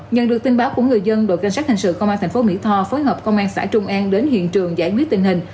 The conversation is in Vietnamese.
nhận được tin báo của người dân đội cảnh sát hình sự công an thành phố mỹ tho phối hợp công an xã trung an đến hiện trường giải quyết tình hình